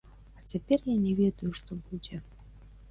А цяпер я не ведаю, што будзе.